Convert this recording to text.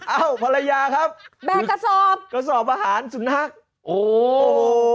อ้าวภรรยาครับขายกระสอบอาหารสุดนักโอ้โห